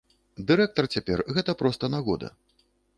Дырэктар цяпер, гэта проста нагода.